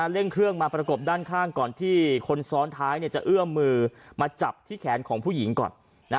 เร่งเครื่องมาประกบด้านข้างก่อนที่คนซ้อนท้ายจะเอื้อมมือมาจับที่แขนของผู้หญิงก่อน